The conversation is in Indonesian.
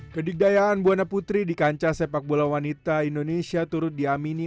kedikdayaan buana putri di kancah sepak bola wanita indonesia turut diamini